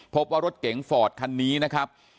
พบว่ารถเก๋งฟอร์ดคันนี้นะครับ